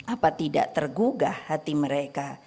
apa tidak tergugah hati mereka